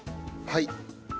はい。